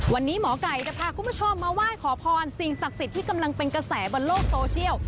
วันนี้หมอไก่จะพาคุณผู้ชมมาไหว้ขอพรสิ่งศักดิ์สิทธิ์ที่กำลังเป็นกระแสบนโลกโซเชียล